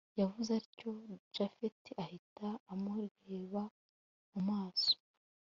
yavuze atyo japhet ahita amureba mumaso